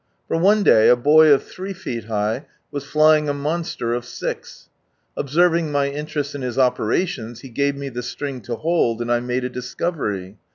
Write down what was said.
For one day a boy of three feet high was flying a monster of six : observing my interest in his operations, he gave me the siring to hold, and I made a discovery.